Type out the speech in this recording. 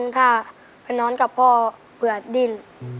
ของพ่อเผื่อดิ้น